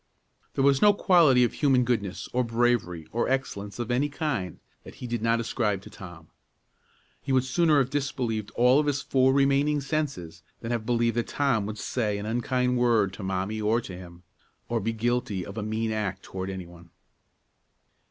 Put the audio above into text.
There was no quality of human goodness, or bravery, or excellence of any kind, that he did not ascribe to Tom. He would sooner have disbelieved all of his four remaining senses than have believed that Tom would say an unkind word to Mommie or to him, or be guilty of a mean act towards any one.